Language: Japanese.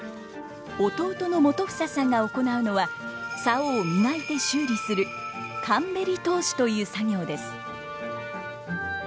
弟の元英さんが行うのは棹を磨いて修理する「かんべり通し」という作業です。